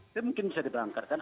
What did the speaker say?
itu mungkin bisa diberangkatkan